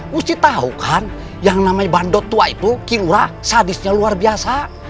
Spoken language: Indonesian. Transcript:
mesti tahu kan yang namanya bandot tua itu kira sadisnya luar biasa